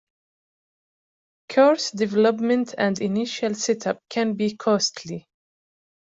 Course development and initial setup can be costly.